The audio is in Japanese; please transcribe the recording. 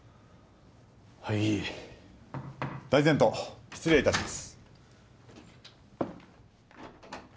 はい大膳頭失礼いたします